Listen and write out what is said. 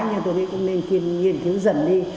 nhưng tôi nghĩ cũng nên nghiên cứu dần đi